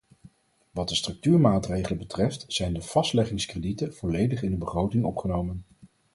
Wat de structuurmaatregelen betreft zijn de vastleggingskredieten volledig in de begroting opgenomen.